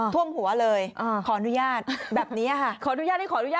ท่วมหัวเลยขอนุญาตแบบนี้ค่ะ